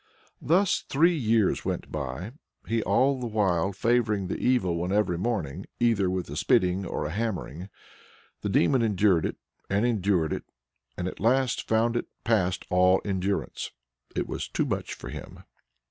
Thus three years went by, he all the while favoring the Evil One every morning either with a spitting or with a hammering. The Demon endured it and endured it, and at last found it past all endurance. It was too much for him.